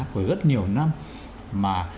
của rất nhiều năm mà